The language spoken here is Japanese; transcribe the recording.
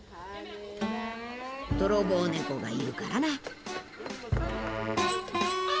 泥棒猫がいるからな。